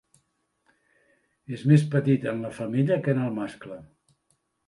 És més petit en la femella que en el mascle